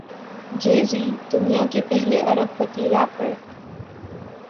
جے Z دنیا کے پہلے ارب پتی ریپر